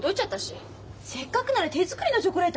せっかくなら手作りのチョコレートあげなさいよ。